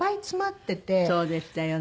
そうでしたよね。